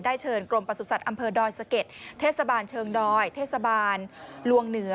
ได้เชิญกรมประสุนสัตว์ดอยศเก็ตเผทศาบาลเชิงดอยศาบาลลวงเหนือ